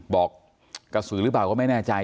บอกกระสือหรือเปล่าก็ไม่แน่ใจ